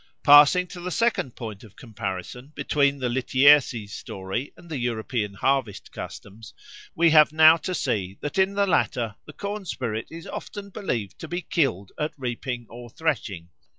Passing to the second point of comparison between the Lityerses story and European harvest customs, we have now to see that in the latter the corn spirit is often believed to be killed at reaping or threshing.